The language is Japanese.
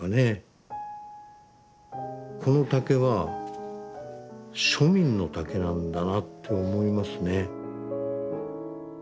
この竹は庶民の竹なんだなって思いますね。